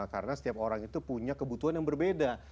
karena setiap orang itu punya kebutuhan yang berbeda